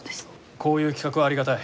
こういう企画はありがたい。